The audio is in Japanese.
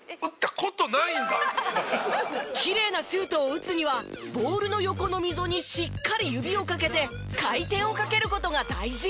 きれいなシュートを打つにはボールの横の溝にしっかり指をかけて回転をかける事が大事。